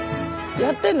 やってんの？